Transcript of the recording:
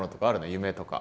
夢とか。